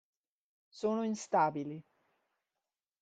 Sono instabili.